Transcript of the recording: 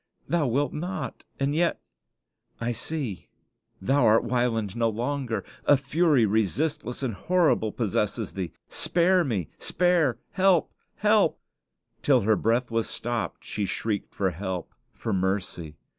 Thou wilt not; and yet I see thou art Wieland no longer! A fury resistless and horrible possesses thee. Spare me spare help help " Till her breath was stopped she shrieked for help, for mercy.